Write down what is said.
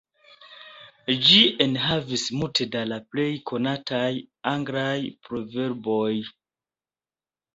Ĝi enhavis multe da la plej konataj anglaj proverboj.